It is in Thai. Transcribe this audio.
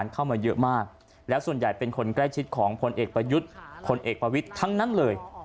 คนเอกประยุทธ์คนเอกประวิทธิฟร์ทั้งนั้นเลย